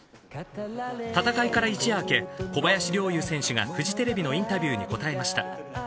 戦いから一夜明け、小林陵侑選手がフジテレビのインタビューに答えました。